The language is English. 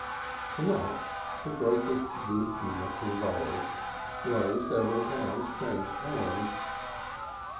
To night the greatest good humor prevailed, though several pounds changed hands.